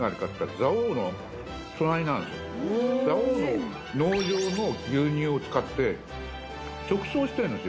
蔵王の農場の牛乳を使って直送してるんですよ